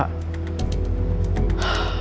makasih ya pak